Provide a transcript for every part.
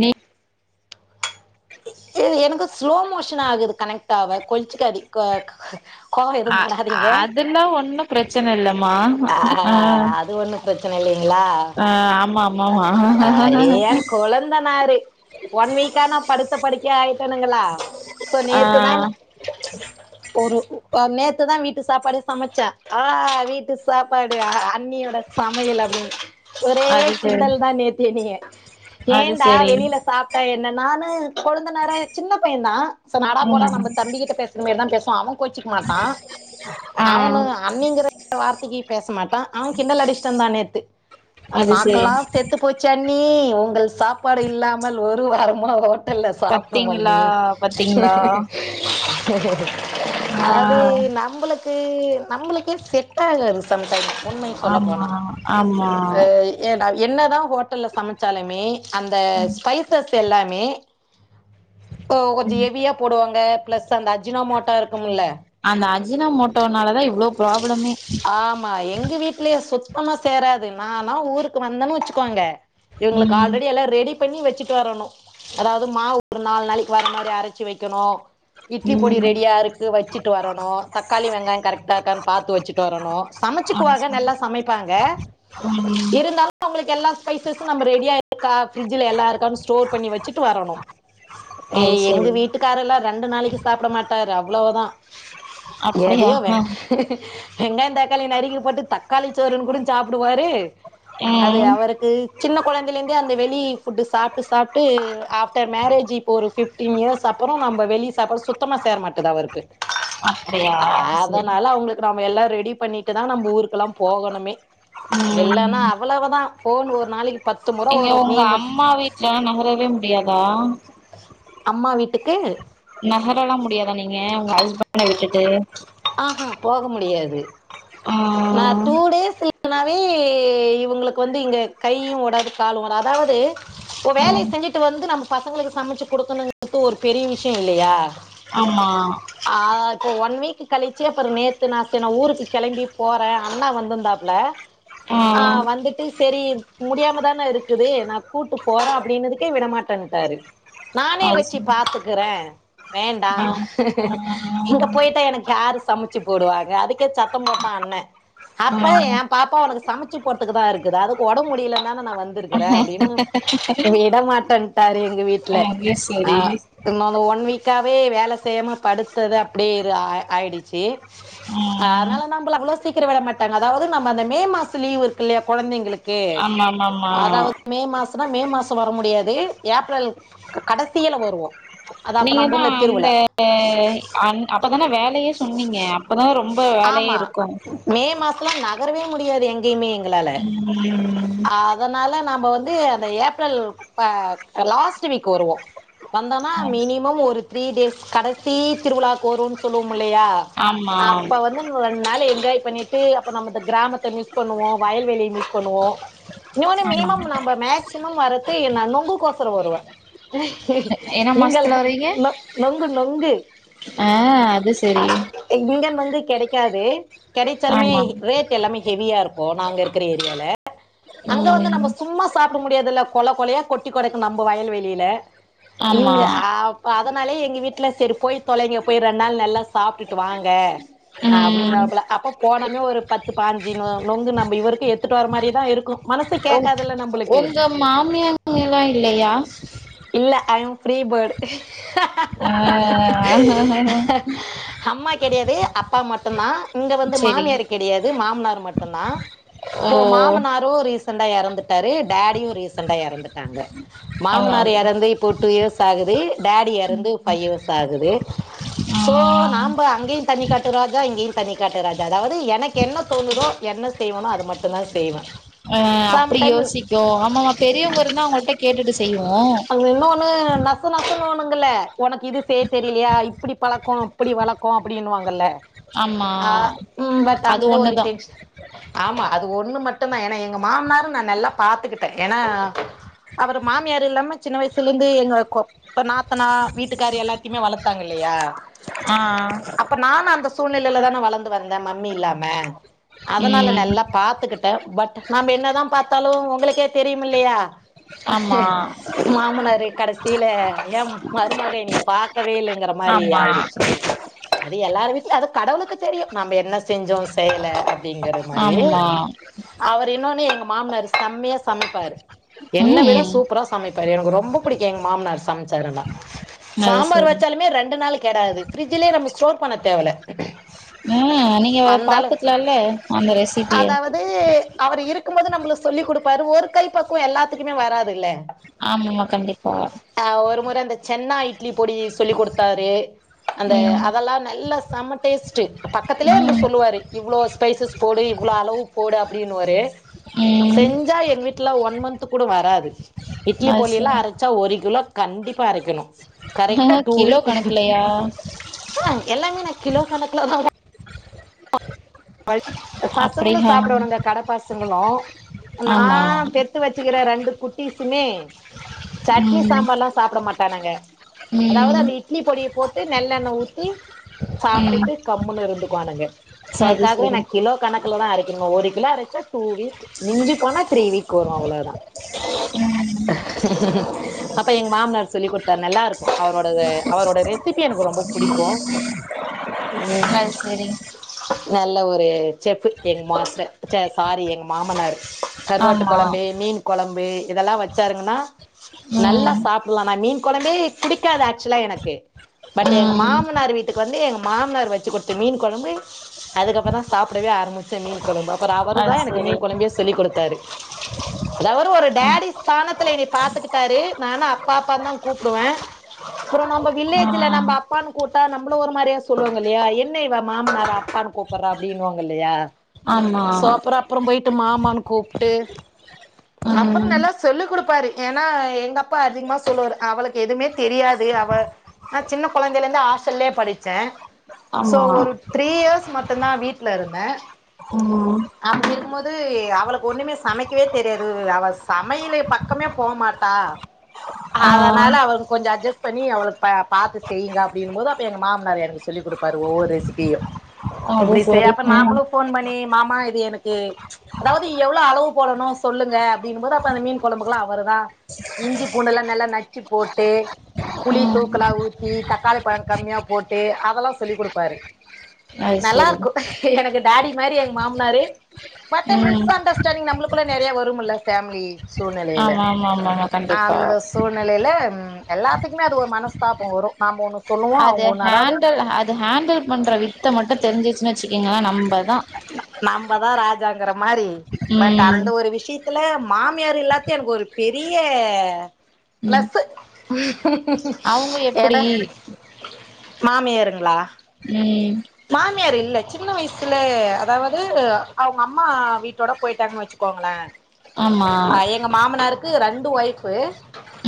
நீ ஏ எனக்கு ஸ்லோ மோஷன் ஆகுது கனெக்ட் ஆவ கொஞ்சுக்க அ கோவ எதுவும் படாதிங்க இல்ல ஒன்னும் பிரச்சனை இல்லமா ஆ அது ஒன்னும் பிரச்சனை இல்லைங்களா ஆ ஆமா ஆமா ஆமா கொழந்த நாரு ஒன் வீக்கா நா படுத்த படிக்கை ஆயிட்டேனுங்களா சோ ஆ நேத்துதான் ஒரு ஒரு நேத்துதா வீட்டு சாப்பாடே சமைச்சே ஆ வீட்டு சாப்பாடு அன்னியோட சமையல் அப்டின் ஒரே அது சரி கிண்டல் தா நேத்து என்னைய அது ஏன்டா சரி வெளில சாப்ட்டா என்ன நானு கொழுந்தனார் சின்ன பையன் தா சோ வாடா போடா ம் நம்ம தம்பிக்கிட்ட பேச ற மாரி தா பேசுவான் அவன் கோச்சுக்க மாட்டான் ஆ அவனு அன்னிங்கிற வார்த்தைக்கு பேச மாட்டான் அவன் கிண்டல் அடிச்சிட்டு இருந்தா நேத்து அது சரி நாக்கல்லா செத் த்து போச்சு அண்ணி உங்கள் சாப்பாடு இல்லாமல் ஒரு வாரமாக ஹோட்டல்ல சாப்ட்டோம் பத்தீங்களா அண்ணி பத்தீங்களா ஆ அது நம்மளுக்கு நம்மளுக்கே செட்ட ஆகாது சம் டைம் உண்மைய சொல்ல ஆமா போனா ஆமா என்னதா ஹோட்டல்ல சமைச்சாலுமே அந்த ஸ்பைசஸ் எல்லாமே இப்ப கொஞ்ச ஹெவியா போடுவாங்க பிளஸ் அந்த அஜினோ மோட்டா இருக்கும்ல அந்த அஜினா மோட்டோனாலதா இவ்ளோ ப்ராப்ளமே ஆமா எங்க வீட்லயே சுத்தமா சேராது நானா ஊருக்கு வந்தேன்னு வெச்சுக்கோங்க இவுங்களுக்கு ம் ஆல்ரெடி எல்லா ரெடி பண்ணி வெச்சுட்டு வரணு அதாவது மாவு ஒரு நால் நாளைக்கு வர மாரி அரச்சி வைக்கணு இட்லி பொடி ம் ரெடியா இருக்கு வெச்சுட்டு வரணு தக்காளி வெங்காயம் கரெக்டா இருக்கான்னு பாத்து வெச்சுட்டு வரணு அது சமைச்சுக்குவாக சரி நல்லா சமைப்பாங்க ம் இருந்தாலு அவுங்களுக்கு எல்லா ஸ்பைசஸு நம்ம ரெடியா இருக்கா ஃப்ரிட்ஜல எல்லா இருக்கானு ஸ்டோர் பண்ணி வெச்சுட்டு வரணு ஏ அது எங்க சரி வீட்டுக்கார எல்லா ரெண்டு நாளைக்கு சாப்ட மாட்டாரு அவ்வளதா அப்படியா எதையோ வென் வெங்காயம் தக்காளி நறுக்கி போட்டு தக்காளி சோறுன்னு கூட சாப்புடுவாரு அது ம் அவருக்கு சின்ன கொழந்தைலந்தே அந்த வெளி ஃபுட் சாப்ட்டு சாப்ட் டு ஆஃப்டர் மேரேஜ் இப்ப ஒரு ஃபிஃப்டீன் இயர்ஸ் அப்பறோ நம்ம வெளிய சாப்பட சுத்தமா சேர மாட்டேது அவருக்கு அப்படியா செரி அதனால அவங்களுக்கு நம்ம எல்லா ரெடி பண்ணிட்டுதா நம்ம ஊருக்குல்லா போகணுமே ம் இல்லன்னா அவ்வளவுதா ஃபோன் ஒரு நாளைக்கு பத்து முறை வரு நீ மட்டு ஏ நகரவே முடியாதா அம்மா வீட்டுக்கு நகரெல்லா முடியாதா நீங்க உங்க ஹஸ்பண்ட விட்டுட்டு ஆஹா போக முடியாது ஆ நா டூ டேஸ்ல போனாவே இவுங்களுக்கு வந்து இங்க கையும் ஓடாது காலு ஓடாது அதாவது ஒ வேலய ம் செஞ்சுட்டு வந்து நம்ம பசங்களுக்கு சமைச்சு குடுக்கணுங்கறது ஒரு பெரிய விஷய இல்லயா ஆமா ஆ அது ஒன் வீக் கழிச்சே அப்பற நேத்து நா ச நான ஊருக்கு கெளம்பி போறே அண்ணா வந்தருந்தாப்புல ஆ வந்துட்டு செரி முடியாமதானே இருக்குது நா கூட்டு போறே அப்டின்னுதுக்கே விடமாட்டேன்ட்டாரு நானே அது வெச்சு சரி பாத்துக்கறே வேண்டா ஆ இங்க போயிட்டா எனக்கு யாரு சமைச்சு போடுவாங்க அதுக்கே சத்தம் போட்டா அண்ணே ஆ அப்ப எ பாப்பா உனக்கு சமைச்சு போறதுக்கு தா இருக்குது அதுக்கு ஒடம்ப முடியல தான நா வந் திருக்கற அப்டின்னு விட மாட்டன்ட்டாரு எங்க வீட்டுல ஆ அது ஆ சரி இன்னொந்து ஒன் வீக்காவவே வேல செய்யாம படுத்தது அப்டியே ஆ ஆயிடுச்சு ம் அதனால நம்ம அவ்ளோ சீக்கிரம் விட மாட்டாங்க அதாவது நம்ம அந்த மே மாசம்லீவ் இருக்கு இல்லையா கெழந்தைங்களுக் கு ஆமாமாமா அதாவது மே மாசனா மே மாசோ வர முடியாது ஏப்ரல் கடைசியில வருவோ நீங்க தா அந்த அ அந் அப்பதானே வேலையே சொன்னீங்க அப்பதா ரொம்ப வேலையே ஆமா இருக்கு மே மாசலா நகரவே முடியாது எங்கேயுமே எங்களால ம் ஆ அதனால நாம வந்து அந்த ஏப்ரல் அ லாஸ்ட் வீக் வருவோ வந்தோனா ஆமா மினிமம் ஒரு த்ரீ டேஸ் கடைசி திருவிழாவுக்கு வருவோம்ன்னு சொல்லுவோமில்லையா ஆமா வந்து ரெண்டு நாளு என்ஜாய் பண்ணிட்டு அப்ப நம்ம இந்த கிராமத்தை மிஸ் பண்ணுவோ வயல் வெளிய மிஸ் பண்ணுவோ இன்னொன்னு ஆமா மினிமம் நம்ம மேக்சிமம் வரது என்ன நொங்குக்கு கோசர வருவோ என்ன இங்கல மாசத்துல வரீங்க நொ நொங்கு நொங்கு ஆ அது சரி இங்க நொங்கு கேடைக்காது கெடைச்சாலுமே ஆமா ரேட் எல்லாமே ஹெவியா இருக்கு நாங்க இருக்கிற ஏரியால அங்க வந்து ம் நம்ம சும்மா சாப்பிட முடியாதுல்ல கொலை கொலையா கொட்டி கெடக்கு நம்ப வயல்வெளியில ஆமா இங்க அ அதனாலயே எங்க வீட்டுல சரி போய் தொலைங்க போய் ரெண்டு நாள் நல்லா சாப்பிட்டுட்டு வாங்க ம் அப்பிடினாவ்புல அப்ப போனமே ஒரு பத்து பாஞ்சு நொ நொங்கு நம்ம இவருக்கு எத்துட்டு வர மாரிதா இருக்கு மனசு ஒங் கேக்காதுல்ல நம்பளுக்கு ஒங்க மாமியங்க எல்லா இல்லையா இல்ல ஐம் ஃப்ரீபேர்டூ ஆ மட்டும்தா இங்க வந்து செரி மாமியார் கிடையாது மாமனார் மட்டும்தா ஓ இப்போ மாமனார் அவரு ரீசண்டா எறந்துட்டாரு டேடியு ரீசண்டா எறந்துட்டாங்க ஆமா மாமனார் எறந்து இப்போ டூ இயர்ஸ் ஆகுது டேடி எறந்து பைவ் இயர்ஸ் ஆகுது ஆ சே நாம்ப அங்கேயு தண்ணிக்காட் டு ராஜா இங்கேயு தனி காட்டு ராஜா அதாவது எனக்கு என்ன தோணுதோ என்ன செய்வனோ அது மட்டு தா செய்வே அ அப்டி யோசிக்கு ஆமாமா பெரியவங்க இருந்தா அவுங்களிட்ட கேட்டுட்டு செய்வோ இன்னொன்னு என்ன நெச நெசணுவங்கல்லா உனக்கு இது செய்ய தெரியலையா இப்டி பழக்கோ அப்டி வளக்கம் அப்டின்னுவாங்கல்ல ஆமா ஆ ம் பட் அது அந்த ஒரு ஒண்ணுதா டென்ஷன் ஆமா அது ஒண்ணுமட்டும்தா ஏனா எங்க மாமனாரும் நா நல்லா பாத்துக்கிட்டே ஏன்னா அவர் மாமியார் இல்லாம சின்ன வயசுல இருந்து எங்க கோ இப்ப நாத்தனா வீட்டுக்காரு எல்லாத்தையுமே வளத்தாங்க இல்லையா ஆ‌‌ ஆ அப்ப நானு அந்த சூழ்நிலையில தானே வளர்ந்து வந்தே மம்மி இல்லாம அதனால ம் நல்லா பாத்துக்கிட் பட் நாம என்னதா பாத்தாலூ உங்களுக்கே தெரியூ இல்லயா ஆமா மாமனார் கடசியில ஏ மருமக எங்கள பாக்கவே இல்லங்கிற மாரி ஆமா ஆயிடுச்சு அது எல்லார்‌ வீட்லியும் அது கடவுளுக்கு தெரியூ நம்ம என்ன செஞ்சோ செய்ல அப்டிங்கிற மாரி ஆமா அவர் இன்னொன்னு எங்க மாமனார் செம்மயா சமைப்பாரு என்ன விட ம் சூப்பரா சமைப்பாரு எனக்கு ரொம்ப புடிக்கூ எங்க மாமனார் சமைச்சாருன்னா அது சாம்பார் சரி வச்சாலுமே ரெண்டு நாள் கெடாது பிரிட்ஜுலயே நம்ம ஸ்டோர் பண்ண தேவல்லா ம் நீங்க பாத்துக்கலால்ல அந்த ரெசிபிய இது அவரு இருக்கும்போது நம்மளுக்கு சொல்லி கொடுப்பாரு ஒரு கை பக்குவொ எல்லாத்துக்குமே வராது இல்ல ஆம்மா கண்டிப்பா அ ஒரு முறை அந்த சென்னா இட்லி பொடி சொல்லிக் கொடுத்தாரு அந்த ம் அதெல்லாம் நல்லா செம்ம டேஸ்ட் பக்கத்திலேயே இருந்து ம் சொல்லுவாரு இவ்ளோ ஸ்பைசஸ் போடு இவ்ளோ அளவு போடு அப்டின்னுவாரு ம் செஞ்சா என் வீட் ல்ல ஒன் மந்த் கூட வராது இட்லி அது பொடியெல்லா சரி அரைச்சா ஒரு கிலோ கண்டிப்பா அரைக்கணோ கரெக்டா டூ கிலோ வீக் கணக்குலயா எல்லாமே நா கிலோ கணக்கிலோ தா வாங்குவோ வழிச் பசங்களூ அப்படியா சாப்பிடுவாங்க கட பசங்களூ ஆமா நான் பெத் த்து வச்சுக்கிற ரெண்டு குட்டிஸுமே சட்னி ம் சாம்பார்லா சாப்பிட மாட்டானுங்க அதாவது ம் அந்த இட்லி பொடிய போட்டு நெல்லெண்ணெ ஊத்தி ம் சாப்ட்டுட்டு கம்முன்னு இருந்துக்குவானுங்க அது க்காகவே சரி கிலோ கணக்குல தா அரைக்கனோ ஒரு கிலோ அரைச்சா டூ வீக் மிஞ்சி போனா த்ரீ வீக் வரோ அவ்ளோதா ம் அப்ப‌ எங் மாமனார் சொல்லி குட்டுத்தாரு நல்லா இருக்கூ அவரோட இதெ அவரோட ரெசிபி எனக்கு ரொம்ப பிடிக்கூ ம் அத் செரி நல்ல ஒரு செஃப்புக் எங் மாஸ்டர் சாரி எங் மாமனார் கருவாட்டு ஆமா கெழம்பு மீன் கெழம்பு இதெல்லா வச்சாருங்கன்னா நல்லா ம் சாப் லாம் மீன் குழம்பே குடிக்காது ஆக்சுவலா எனக்கு பட் எங்க ம் மாமனார் வீட் வந்து எங்க மாமனார் வெச்சி கொடுத்த மீன் கெழம்பு அதுக்கப்புறோ தா சாப்பிடவே ஆரம்புச் சேன் மீன் கெழம்பு அப்புற ‌அவரு தா அது எனக்கு சரி மீன் கெழம்பைய சொல்லி கொடுத்தாரு அதாவது ஒரு ம் டேடி ஸ்தானத்துல எனனெய பாத்துக்கிட்டாரு நானூ அப்பா அப்பா தா கூப்பிடுவே அப்புறோ நம்ம ஆ வில்லேஜ்ல நம்ம அப்பான் கூப் ட்டா நம்பள ஒரு மாதிரியா சொல்லுவாங்க இல்லயா என்ன இவ மாமனார அப்பான் கூப்பட்றா அப்படின்னுவாங்க இல்லயா ஆமா சோ அப்புறோ அப்புறோ போயிட்டு மாமான்னு கூப்ட்டு அப்புறோ ம் நல்லா சொல்லிக் குடுப் ப்பாரு ஏன்னா எங்க அப்பா அதிகமா சொல்லுவாரு அவளுக்கு எதுவுமே தெரியாது அவெ நா சின்ன குழந்தைலருந்து ஹாஸ்டல்லயே படிச்சோ சோ ஆமா ஒரு த்ரீ இயர்ஸ் மட்டூந்தா வீட்ல இருந்தே ம் அப்டி இருக்கும் போது அவளுக்கு ஒண்ணுமே சமைக்கவே தெரியாது அவெ சமையலே பா கமே போக மாட்டா ஆ அதனால அவெள கொஞ்சொ அட்ஜெஸ் பண்ணி அவள பெ பாத்து செய்யுங்க அப்படின்ம்போது அப்ப எங்க மாமனார் எனக்கு சொல்லி குடுப்பாறூ ஒவ்வொரு ரெசிபியூ அது இப்படி செய் சரி அப்றோ ம் நாங்களூ ஃபோன் பண்ணி மாமா இது எனக்கு அதாவது எவ்ளோ அளவு போடணூ சொல்லுங்க அப்படின்போது அப்ப இந்த மீன் கொலம்புல்லா அவருதா இஞ்சி பூண்டெல்லா நல்லா நச்சு போட்டு புளி ம் தூக்கலா ஊத்தி தக்காளி பழோ கம்மியா போட்டு அதெல்லா சொல்லி குடுப்பாரு அது நல்லா சரி இருக்கு எனக்கு டாடி மாரி எங்க மாம்னாரு பாத்தா ம் மிஸ் அண்டர்ஸ்டாண்டிங் நம்ளுக்குள்ள நறைய வரும்ல்ல ஃபேம்லி சூழ்நிலையில ஆமா ஆமா ஆமாமா கண்டிப்பா அந்த சூழ் நிலையில எல்லாத்துக்குமே அது ஒரு மனஸ்தாபோ வரு நாம ஒண்ணு சொல்லுவோ அது அவங்க ஒண்ணு அதாவது ஹேண்டுல் அது ஹேண்டுல் பண்ற வித்த மட்டு தெரிஞ்சிச்சு வச்சுக்கீங்ளே நம்மதா நம்மதா ராஜாங்கிற பட் அந்த ம் விஷயத் விதத்துல்லா மாமியார் எல்லாத்தையு எனக்கு ஒரு பெரிய ம் பிளஸ்ஸூ அவங்க எட எப்டி மாமியருங்ளா ம் மாமியார் இல்ல சின்ன வயசுல அதாவது அவுங்க அம்மா வீட்டோட போயிட்டாங்கன்னு வச்சு கோங்ளே ஆமா எங்க மாமனாருக்கு ரெண்டு ஒய்ஃவ்வு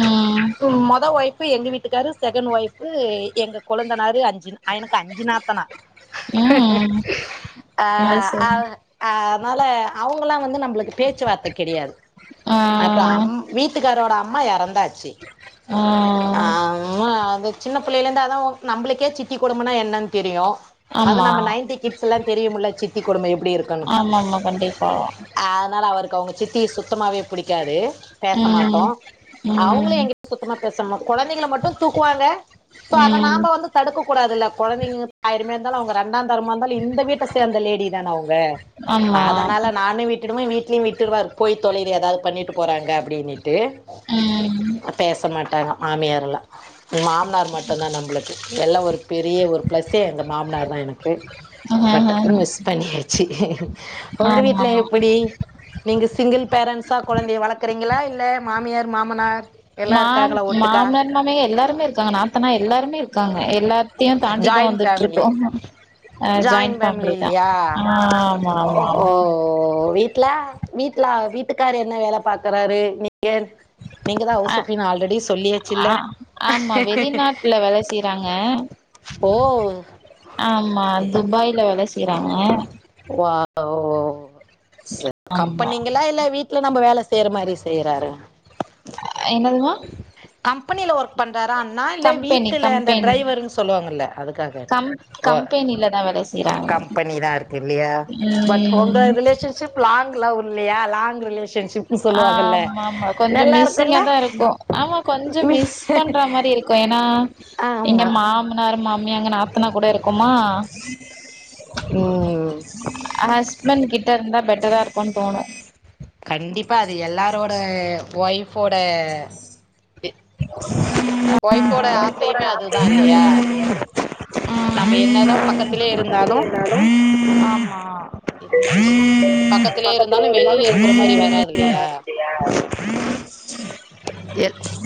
ம் மொதல் ஒய்ஃவு எங்க வீட்டுக்காரு செகண்ட் ஒய்ஃவு எங்க கொழுந்தனாரு அஞ்சி எனக்கு அஞ்சு நாத்தனா ம் அ அது ஆ சரி அதனால அவுங்கலா வந்து நம்ளுக்கு பேச்சுவார்த்த கெடையாது ஆ அப்ப அம் வீட்டுக்காரோட அம்மா எறந்தாச்சு ஆ ஆ அம்மா சின்ன பிள்ளைையில இருந்து நம்ளுக்கே சித்தி கொடும்மனா என்னன்னு தெரியு அது ஆமா நம்ம நைன்டி கிட்ஸ்ல்லா தெரியுமுல சி த்தி கொடும எப்டி இருக்குன்னு ஆமாமா கண்டிப்பா அதனால அவருக்கு அவுங்க சித் தி சுத்தமாவே புடிக்காது பேச ம் மாட்டோ அவுங்ளு ம் எங்க சுத்தமா பேச கொழந்தைங்ள மட்டு தூக்குவாங்க சோ அத ம் நாம வந்து தடுக்க கூடாதுல்ல கொழந்தைங்க ஆயிரமே இருந்தாலு அவுங்க ரெண்டாதாரமா இருந்தாலு இந்த வீட்ட சேந்த லேடி தான அவுங்க ஆமா அதனால நானு விட் விட்ருவே வீட்லியு விட்ருவாரு போய் தொழைய்து ஏதாவ்து பண்ணிட்டு போறாங்க அப்டின்னுட்டு ம் பேச மாட்டாங்க மாமியார் எல்லா மாமனார் மட்டுதா நம்ளுக்கு எல்லா பெரிய ஒரு ப்ளஸ்ஸே எங்க மாமனார் தா எனக்கு ஆமா பட் மிஸ் பண்ணியாச்சு உங்க வீட்ல எப்டி நீங்க சிங்கிள் பேரண்ட்ஸா ககொழந்தையை வளக்குறீங்ளா இல்ல மாமியார் மாமனார் எல்லா மாம் இருக்காங்களா ஒட்டுக்கா மாமனார் மாமியார் எல்லாருமே இருக்காங்க நத்தானா எல்லாருமே இருங்காங்க எல்லாத்தையு தாண்டிதா வந்துட் இருக் அஹ ஜாயின் பேமிலி இல்லையா ஆ ஆமா ஓ ஆமா ஓ ஆமா வீட்ல வீட்ல வீட்டுக்காரு என்ன வேல பாக்குறாரு நீங்க நீங்க தா ஆ ஹவுசபின் ஆல்ரெடி ஆ சொல்லியாச்சுல்ல ஆமா வெளிநாட்டுல வேல செய்றாங்க ஓ ஆம்மா துபாயில வேல செய்றாங்க வாவ் ச சரி ஆமா கம்பெனிங்ளா இல்ல வீட் ல்ல நம்ம வேல செய்ற மாறி செய்றாரா என்னதுமா கம்பெனில ஒர்க் பண்றாரா அண்ணா இல்ல கம்பெனி வீட்டுல அந்த கம்பெனி டிரைவர்ன்னு சொல்லுவாங்கல்ல அதுக்காக கேட்டே கம் வா கம்பெனில தா வேல செய்றாங்க கம்பெனி தா இருக்கு இல்லையா பட் உங்க ம் ரிலேஷன் சிப் லாங் லவ் இல்லையா லாங் ரிலேஷன்ஷிப்னு சொல்லுவாங்கல்ல ஆமா ஆமா கொஞ்சோ நல்லா இருக்குல்ல மிஸ்ஸிங்கா தா இருக்கு ஆமா கொஞ்சோ மிஸ் பண்ற மாறி இருக்கு ஏன்னா எங்க ஆமா மா மாமனாரு மாமியா எங்க நாத்துனா கூட இருக்கமா ரூ அவ ஹஸ்பண்ட் கிட்ட இருந்தா பெட்டரா இருக்குன் தோணு கண்டிப்பா அது எல்லாரோட ஒய்ஃபோட ம் ஒய்ஃபோட ஆசையுமே அதுதா இல்லையா நம்ம என்னதா ஆ பக்கத்திலே இருந்தாலு ஆமா ஆ பக்கத்திலே இருந்தாலு வெளில இருக்குற மாரி வராதுல் லயா எல்